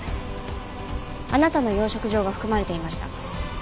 あなたの養殖場が含まれていました。